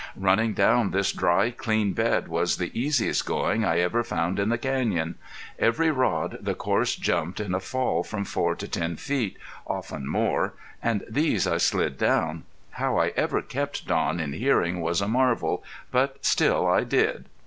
Running down this dry, clean bed was the easiest going I ever found in the canyon. Every rod the course jumped in a fall from four to ten feet, often more, and these I slid down. How I ever kept Don in hearing was a marvel, but still I did.